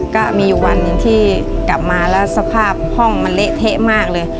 ก็มีอยู่วันหนึ่งที่กลับมาแล้วสภาพห้องมันเละเทะมากเลย